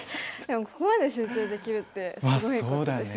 ここまで集中できるってすごいことですよね。